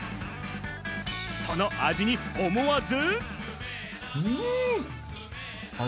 その味に思わず。